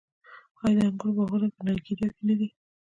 آیا د انګورو باغونه په نیاګرا کې نه دي؟